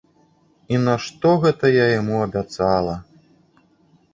І нашто гэта я яму абяцала?